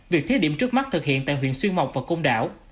việc thí điểm trước mắt thực hiện tại huyện xuyên mộc và công đảo